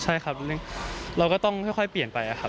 ใช่ครับเราก็ต้องค่อยเปลี่ยนไปครับ